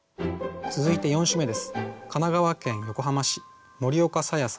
続いて４首目です。